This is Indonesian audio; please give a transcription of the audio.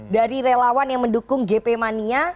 dari relawan yang mendukung gp mania